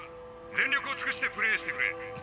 全力を尽くしてプレーしてくれ！」。